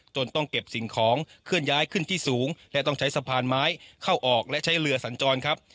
ต้องเก็บสิ่งของเคลื่อนย้ายขึ้นที่สูงและต้องใช้สะพานไม้เข้าออกและใช้เรือสัญจรครับ